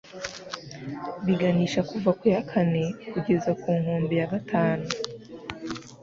biganisha kuva ku ya kane kugeza ku nkombe ya gatanu